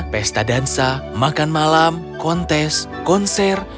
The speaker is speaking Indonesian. pesta dansa makan malam kontes konser